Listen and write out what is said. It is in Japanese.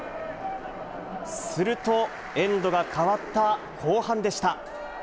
すると、エンドが変わった後半でした。